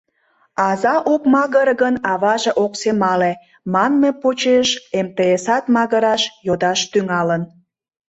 «Аза ок магыре гын, аваже ок семале» манме почеш МТС-ат магыраш, йодаш тӱҥалын.